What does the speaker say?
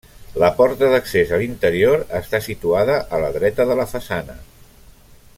La porta d'accés a l'interior està situada a la dreta de la façana.